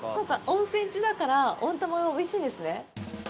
温泉地だから温玉がおいしいんですね。